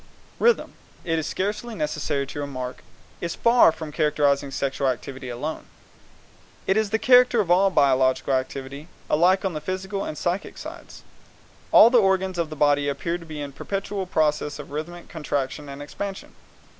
Rhythm, it is scarcely necessary to remark, is far from characterizing sexual activity alone. It is the character of all biological activity, alike on the physical and the psychic sides. All the organs of the body appear to be in a perpetual process of rhythmic contraction and expansion.